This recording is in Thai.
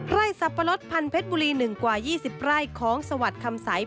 สับปะรดพันธ์เพชรบุรี๑กว่า๒๐ไร่ของสวัสดิ์คำใส